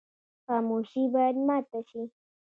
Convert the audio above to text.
خاموشي باید ماته شي.